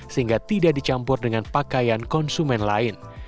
sehingga tidak dicampur dengan pakaian konsumen lain